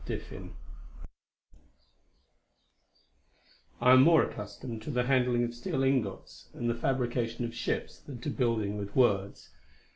] I am more accustomed to the handling of steel ingots and the fabrication of ships than to building with words.